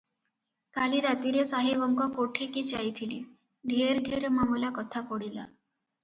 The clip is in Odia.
କାଲି ରାତିରେ ସାହେବଙ୍କ କୋଠିକି ଯାଇଥିଲି, ଢେର ଢେର ମାମଲା କଥା ପଡ଼ିଲା ।